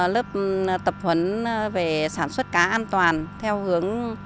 lớp tập huấn về sản xuất cá an toàn theo hướng